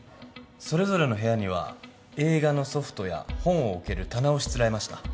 それぞれの部屋には映画のソフトや本を置ける棚をしつらえました。